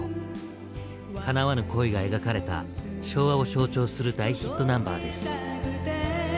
かなわぬ恋が描かれた昭和を象徴する大ヒットナンバーです。